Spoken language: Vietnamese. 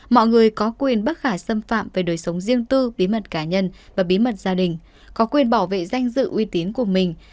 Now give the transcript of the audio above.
mọi người có quyền bắc khả xâm phạm về đời sống riêng tư bí mật cá nhân và bí mật gia đình có quyền bảo vệ danh dự uy tín của mình